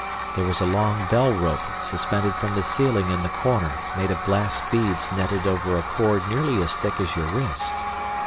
There was a long bell rope suspended from the ceiling in the corner, made of glass beads netted over a cord nearly as thick as your wrist.